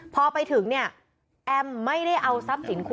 พอไปถึงเนี่ยแอมไม่ได้เอาทรัพย์สินคุณ